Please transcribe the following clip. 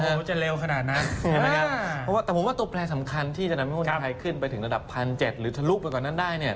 แต่ว่าจะเร็วขนาดนั้นแต่ผมว่าตัวแปลสำคัญที่จะนำหุ้นไทยขึ้นไปถึงระดับ๑๗๐๐หรือถลุกไปก่อนนั้นได้เนี่ย